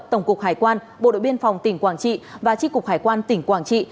tổng cục hải quan bộ đội biên phòng tỉnh quảng trị và tri cục hải quan tỉnh quảng trị